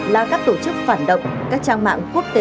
là các tổ chức phản động các trang mạng quốc tế